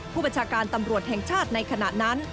ผู้บัญชาการตำรวจแห่งชาติในขณะนั้น